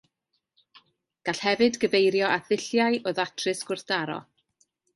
Gall hefyd gyfeirio at ddulliau o ddatrys gwrthdaro.